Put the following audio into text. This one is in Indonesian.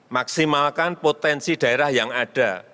maksimalkan potensi daerah yang ada